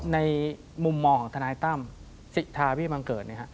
ในมุมมอลของธนายตั้มศิษย์ทาพี่มังเกิด